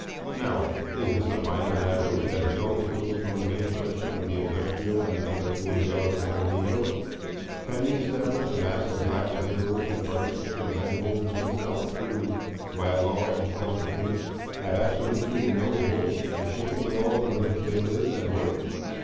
Now, is this a minor matter which has no influence on the main question of the industrial and intellectual development of the Negro? Can we establish a mass of black laborers and artisans and landholders in the South who, by law and public opinion, have absolutely no voice in shaping the laws under which they live and work?